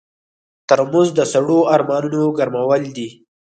ترموز د سړو ارمانونو ګرمول دي.